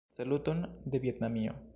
Saluton de Vjetnamio!